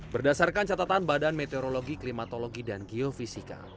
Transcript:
berdasarkan catatan badan meteorologi klimatologi dan geofisika